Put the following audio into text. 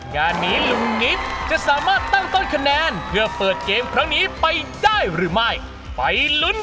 งานนี้ลุงนิดจะสามารถตั้งต้นคะแนนเพื่อเปิดเกมครั้งนี้ไปได้หรือไม่ไปลุ้น